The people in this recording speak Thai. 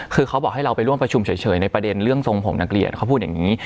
คือเขาบอกให้เราไปร่วมประชุมเฉยในประเด็นเรื่องทรงผมนักเรียนเขาพูดอย่างนี้